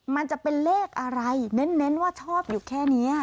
มันจะเป็นเลขอะไรเน้นว่าชอบอยู่แค่นี้